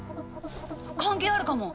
関係あるかも！